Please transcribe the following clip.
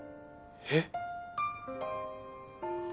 えっ？